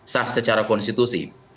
sah secara konstitusi